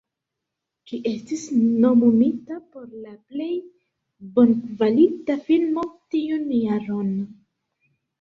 Ĝi estis nomumita por la Plej Bonkvalita Filmo tiun jaron.